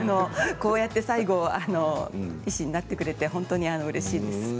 こうやって最後医師になってくれて本当にうれしいです。